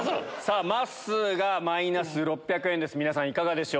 まっすーがマイナス６００円です